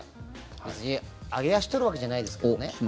別に揚げ足取るわけじゃないですけどね。